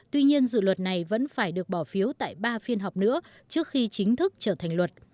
tuy nhiên dự luật này vẫn phải được bỏ phiếu tại ba phiên họp nữa trước khi chính thức trở thành luật